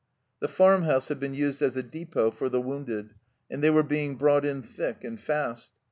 The farm house had been used as a depot for the wounded, and they were being brought in thick arid fast.